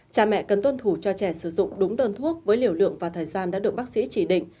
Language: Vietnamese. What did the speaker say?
cha mẹ cần tuân thủ cho trẻ sử dụng đúng đơn thuốc với liều lượng và thời gian đã được bác sĩ chỉ định